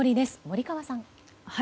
森川さん。